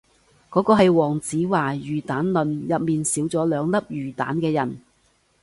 嗰啲係黃子華魚蛋論入面少咗兩粒魚蛋嘅人